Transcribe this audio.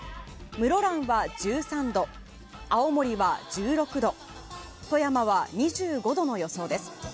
室蘭は１３度青森は１６度富山は２５度の予想です。